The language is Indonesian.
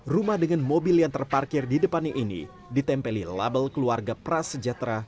rumah dengan mobil yang terparkir di depannya ini ditempeli label keluarga prasejahtera